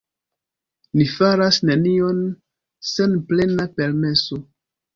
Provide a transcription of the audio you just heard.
Ni faras nenion sen plena permeso.